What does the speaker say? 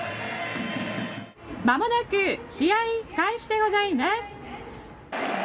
まもなく試合開始でございます。